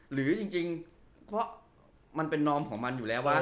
หรือจริงเพราะมันเป็นนอมของมันอยู่แล้วว่า